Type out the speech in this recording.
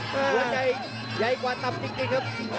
หัวใจใหญ่กว่าตับจริงครับ